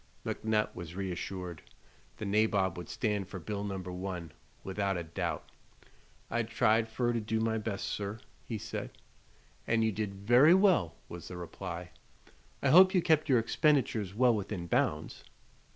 McNutt was reassured. The nabob would stand for bill No. 1, without a doubt. "I tried fer to do my best, sir," he said. "And you did very well," was the reply. "I hope you kept your expenditures well within bounds?"